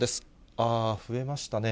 あー、増えましたね。